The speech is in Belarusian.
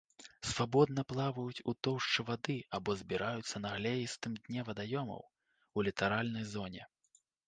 Свабодна плаваюць у тоўшчы вады або збіраюцца на глеістым дне вадаёмаў, у літаральнай зоне.